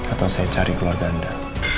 atau saya cari keluarga anda